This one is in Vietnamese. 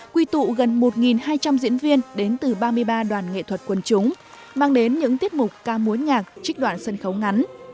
quy tụ gần một hai trăm linh diễn viên đến từ ba mươi ba đoàn nghệ thuật quần chúng mang đến những tiết mục ca muối nhạc trích đoạn sân khấu ngắn